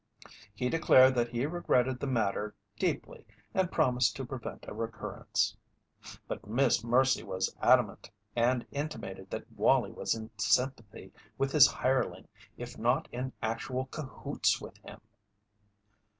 He declared that he regretted the matter deeply and promised to prevent a recurrence. But Miss Mercy was adamant, and intimated that Wallie was in sympathy with his hireling if not in actual "cahoots" with him.